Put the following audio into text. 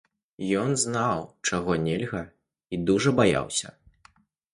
Ён знаў, чаго нельга, і дужа баяўся.